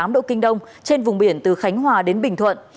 một trăm linh chín tám độ kinh đông trên vùng biển từ khánh hòa đến bình thuận